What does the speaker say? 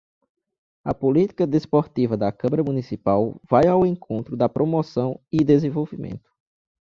A política desportiva da Câmara Municipal vai ao encontro da promoção e desenvolvimento.